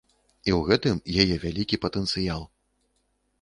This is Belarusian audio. І ў гэтым яе вялікі патэнцыял.